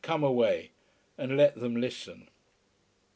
"Come away, and let them listen."